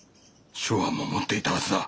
松庵も持っていたはずだ。